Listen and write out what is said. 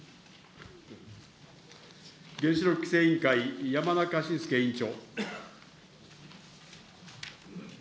原子力規制委員会、山中伸介委員長。